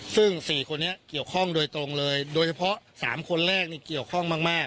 ซึ่ง๔คนนี้เกี่ยวข้องโดยตรงเลยโดยเฉพาะ๓คนแรกนี่เกี่ยวข้องมาก